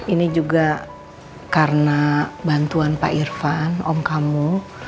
ini juga karena bantuan pak irfan om kamu